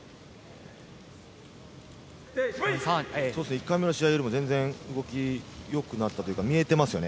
１回目の試合よりも全然動きがよくなったというか見えていますよね。